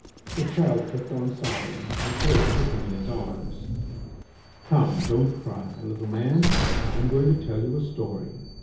The child kept on sobbing and Clair took him in his arms. "Come, don't cry, my little man! I am going to tell you a story.